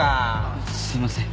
すいません。